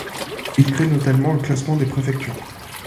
Il crée notamment le classement des préfectures.